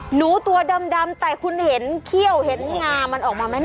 หนูตัวดำแต่คุณเห็นเขี้ยวเห็นงามันออกมาไหมเนี่ย